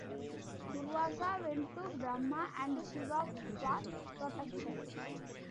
Durvasa went to Brahma and Shiva for protection.